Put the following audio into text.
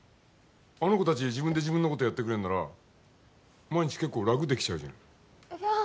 あの子達自分で自分のことやってくれるんなら毎日結構楽できちゃうじゃないいやあ